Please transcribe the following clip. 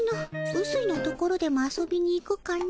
うすいのところでも遊びに行くかの。